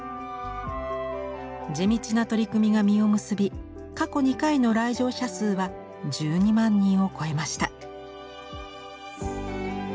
地道な取り組みが実を結び過去２回の来場者数は１２万人を超えました。